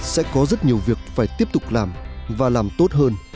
sẽ có rất nhiều việc phải tiếp tục làm và làm tốt hơn